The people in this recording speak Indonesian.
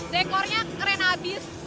dekornya keren abis